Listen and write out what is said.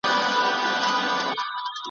ورته پسونه او نذرونه راځي ,